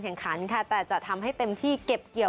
แข่งขันค่ะแต่จะทำให้เต็มที่เก็บเกี่ยว